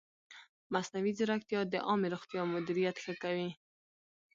مصنوعي ځیرکتیا د عامې روغتیا مدیریت ښه کوي.